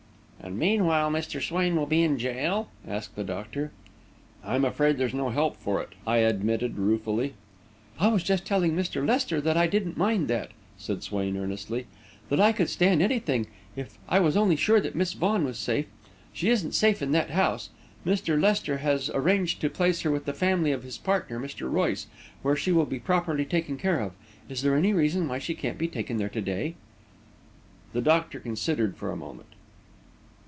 "And meanwhile Mr. Swain will be in jail?" asked the doctor. "I'm afraid there's no help for it," I admitted ruefully. "I was just telling Mr. Lester that I didn't mind that," said Swain earnestly, "that I could stand anything, if I was only sure that Miss Vaughan was safe. She isn't safe in that house. Mr. Lester has arranged to place her with the family of his partner, Mr. Royce, where she will be properly taken care of. Is there any reason why she can't be taken there to day?" The doctor considered for a moment.